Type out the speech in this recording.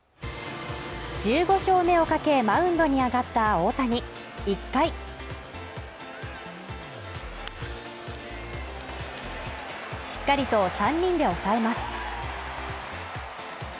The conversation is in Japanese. １５勝目をかけマウンドに上がった大谷１回しっかりと３人で抑えます